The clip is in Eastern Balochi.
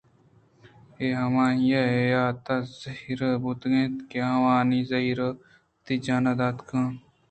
اے ہمائی ءِ یات ءُزہیر بوتگ اَنت کہ آوانی زہرءَ وتی جان داتگ